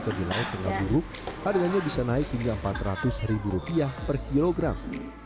jika di laut tengah buruk harganya bisa naik hingga empat ratus ribu rupiah per kilogram